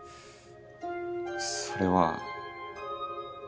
それは。